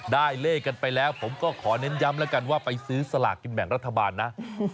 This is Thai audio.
ได้เลขกันไปแล้วผมก็ขอเน้นย้ำแล้วกันว่าไปซื้อสลากกินแบ่งรัฐบาลนะ